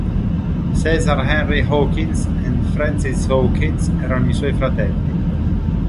Caesar Henry Hawkins and Francis Hawkins erano i suoi fratelli.